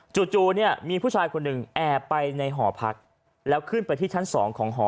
จู่เนี่ยมีผู้ชายคนหนึ่งแอบไปในหอพักแล้วขึ้นไปที่ชั้น๒ของหอ